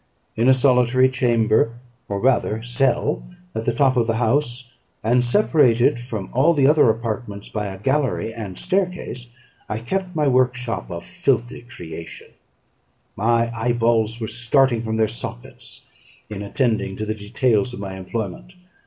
In a solitary chamber, or rather cell, at the top of the house, and separated from all the other apartments by a gallery and staircase, I kept my workshop of filthy creation: my eye balls were starting from their sockets in attending to the details of my employment.